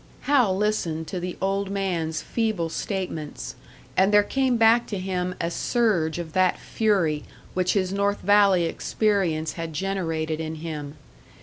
Hal listened to the old man's feeble statements, and there came back to him a surge of that fury which his North Valley experience had generated in him.